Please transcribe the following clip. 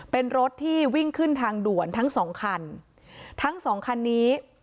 เป็นรถที่วิ่งขึ้นทางด่วนทั้งสองคันทั้งสองคันนี้